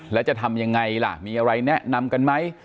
แล้วจะทำยังไงล่ะมีอะไรแนะนำกันไหม